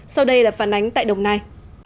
sau đây là phản ánh tại đồng nai